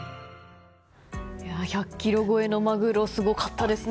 １００ｋｇ超えのマグロすごかったですね。